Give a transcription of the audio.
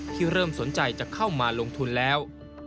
เริ่มสนใจจะเข้ามาลงทุนแล้ว